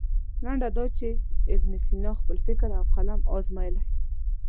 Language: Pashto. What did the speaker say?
لنډه دا چې ابن سینا خپل فکر او قلم ازمویلی.